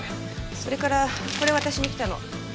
それからこれ渡しに来たの。